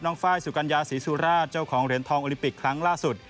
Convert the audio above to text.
ไฟล์สุกัญญาศรีสุราชเจ้าของเหรียญทองโอลิมปิกครั้งล่าสุด